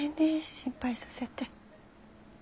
心配させて。